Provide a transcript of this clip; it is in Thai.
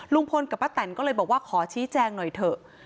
ลุงพลกับป้าแตนก็เลยบอกว่าขอชี้แจงหน่อยเถอะ